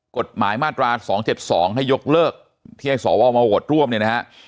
กฎหมายมาตรา๒๗๒ให้ยกเลิกที่ให้สวมาโหวตร่วมเนี่ยนะฮะ